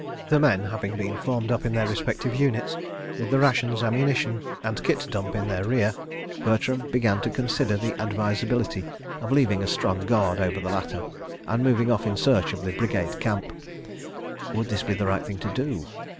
The men having been formed up in their respective units, with the rations, ammunition, and kit dump in their rear, Bertram began to consider the advisability of leaving a strong guard over the latter, and moving off in search of the brigade camp. Would this be the right thing to do?